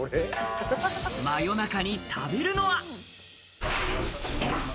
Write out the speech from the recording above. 真夜中に食べるのは？